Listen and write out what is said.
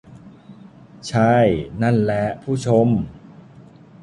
ใช่ นั่นแหละ ผู้ชม